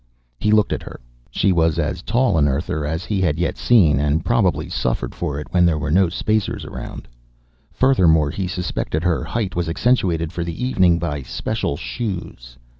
He looked at her. She was as tall an Earther as he had yet seen, and probably suffered for it when there were no Spacers around. Furthermore, he suspected, her height was accentuated for the evening by special shoes.